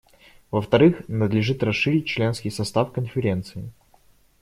Во-вторых, надлежит расширить членский состав Конференции.